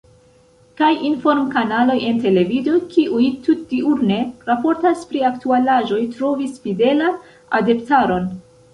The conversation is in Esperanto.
Kaj inform-kanaloj en televido, kiuj tutdiurne raportas pri aktualaĵoj, trovis fidelan adeptaron.